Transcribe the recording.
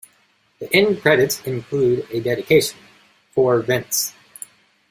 The end credits include a dedication, For Vince.